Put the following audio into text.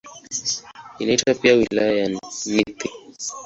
Inaitwa pia "Wilaya ya Nithi".